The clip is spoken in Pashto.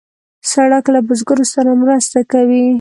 سړک له بزګرو سره مرسته کوي.